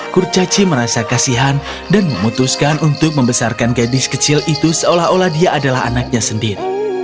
kurcaci merasa kasihan dan memutuskan untuk membesarkan gadis kecil itu seolah olah dia adalah anaknya sendiri